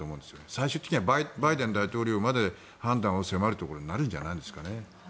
最終的にはバイデン大統領まで判断を迫るところになるんじゃないですかね。